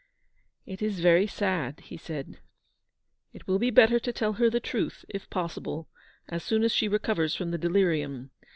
" It is very sad," he said ;" it will be better to tell her the truth, if possible, as soon as she recovers from the delirium.